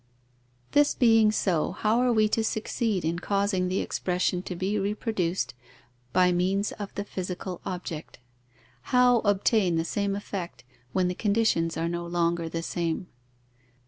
_ This being so, how are we to succeed in causing the expression to be reproduced by means of the physical object? How obtain the same effect, when the conditions are no longer the same?